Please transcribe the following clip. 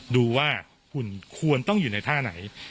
ดูว่าหุ่นควรต้องอยู่ในท่าไหน